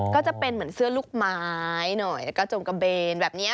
ก็จะเป็นเหมือนเสื้อลูกไม้หน่อยแล้วก็จงกระเบนแบบนี้